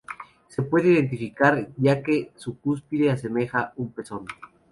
Se puede identificar ya que su cúspide asemeja un pezón.